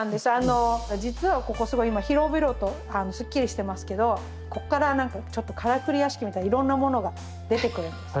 あの実はここすごい今広々とすっきりしてますけどここから何かちょっとからくり屋敷みたいにいろんなものが出てくるんです。